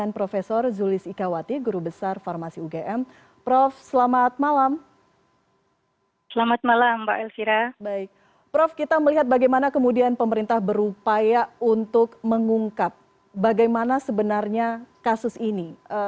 prof kita melihat bagaimana kemudian pemerintah berupaya untuk mengungkap bagaimana sebenarnya kasus ini